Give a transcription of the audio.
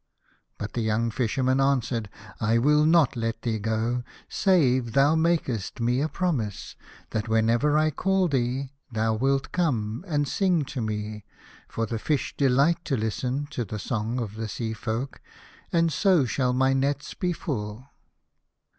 But the young Fisherman answered, " I will not let thee go save thou makest me a promise that whenever I call thee, thou wilt come and sing to me, for the fish delight to listen to the song of the Sea folk, and so shall my nets be full."